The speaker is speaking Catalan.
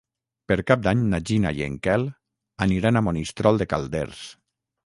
Per Cap d'Any na Gina i en Quel aniran a Monistrol de Calders.